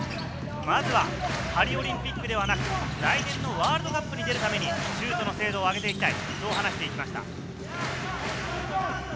まずはパリオリンピックではなく来年のワールドカップに出るためにシュートの精度を上げていきたいと話しています。